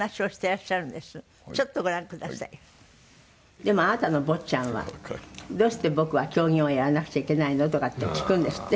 「でもあなたの坊ちゃんは“どうして僕は狂言をやらなくちゃいけないの？”とかって聞くんですって？」